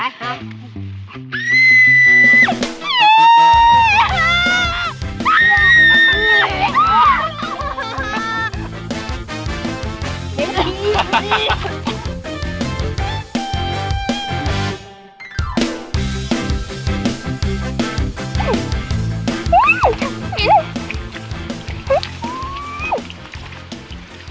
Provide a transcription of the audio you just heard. ไป